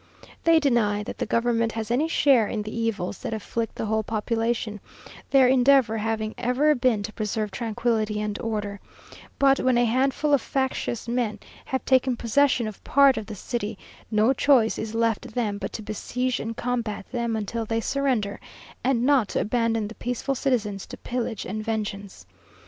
They deny that the government has any share in the evils that afflict the whole population, their endeavour having ever been to preserve tranquillity and order; "but when a handful of factious men have taken possession of part of the city, no choice is left them but to besiege and combat them until they surrender, and not to abandon the peaceful citizens to pillage and vengeance."